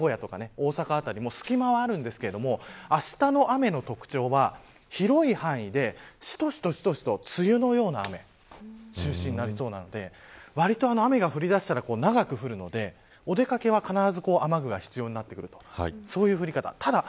さらに名古屋とか大阪辺りも隙間はあるんですがあしたの雨の特長は広い範囲でしとしとと梅雨のような雨中心になりそうなのでわりと雨が降りだしたら長く降るのでお出掛けは雨具が必要になってくるとそういう降り方。